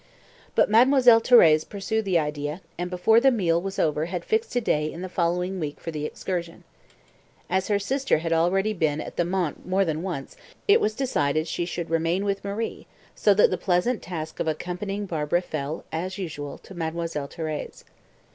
But Mademoiselle Thérèse pursued the idea, and before the meal was over had fixed a day in the following week for the excursion. As her sister had already been at the Mont more than once, it was decided she should remain with Marie, so that the pleasant task of accompanying Barbara fell, as usual, to Mademoiselle Thérèse.